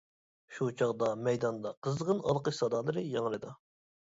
شۇ چاغدا مەيداندا قىزغىن ئالقىش سادالىرى ياڭرىدى.